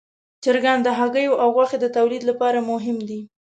چرګان د هګیو او غوښې د تولید لپاره مهم دي.